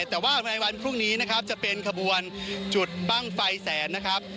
แต่ว่าในวันพรุ่งนี้นะครับจะเป็นขบวนจุดบ้างไฟแสนนะครับ